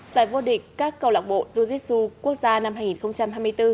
giải vua địch các cầu lọc bộ jiu jitsu quốc gia năm hai nghìn hai mươi bốn